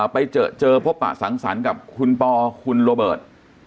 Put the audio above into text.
ไปเจอเจอพบปะสังสรรค์กับคุณปอคุณโรเบิร์ต